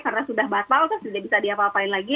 karena sudah batal kan sudah bisa diapa apain lagi